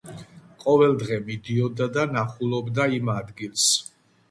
ყოველდღე მიდიოდა და ნახულობდა იმ ადგილს.